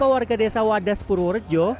agar ganjar segera menemui pendemo